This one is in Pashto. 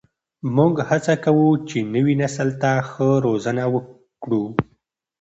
موږ هڅه کوو چې نوي نسل ته ښه روزنه ورکړو.